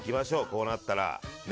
こうなったら。